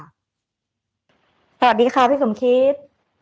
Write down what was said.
สวัสดีครับพี่สมครีศ